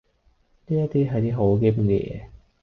呢一啲係啲好基本嘅嘢